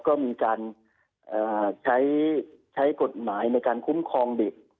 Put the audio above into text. ก็มีการใช้กฎหมายในการคุ้มครองเด็ก